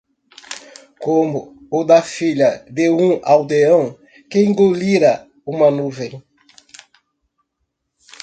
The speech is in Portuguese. Como o da filha de um aldeão que engolira uma nuvem